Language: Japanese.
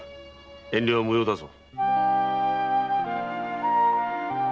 遠慮は無用だぞ。